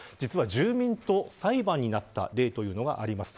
実は住民と裁判になった例というのがあります。